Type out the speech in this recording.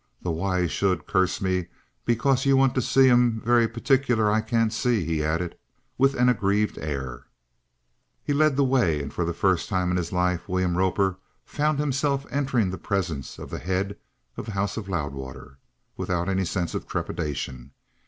"Though why 'e should curse me because you want to see 'im very partic'ler, I can't see," he added, with an aggrieved air. He led the way, and for the first time in his life William Roper found himself entering the presence of the head of the House of Loudwater without any sense of trepidation.